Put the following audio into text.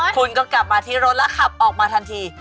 คุณก็กลับมาที่รถแล้วขับออกมาทันที